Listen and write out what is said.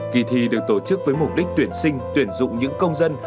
kỳ thi được tổ chức với mục đích tuyển sinh tuyển dụng những công dân